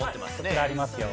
これ、ありますよ。